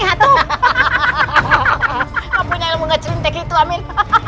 kamu punya ilmu ngecerintek itu amir